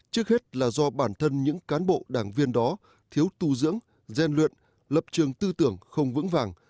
trước hết là do bản thân những cán bộ đảng viên đó thiếu tu dưỡng gian luyện lập trường tư tưởng không vững vàng